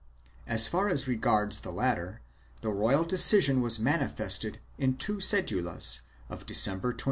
As far as regards the latter, the royal decision was manifested in two cedulas of December 22d.